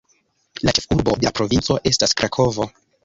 La ĉefurbo de la provinco estas Krakovo.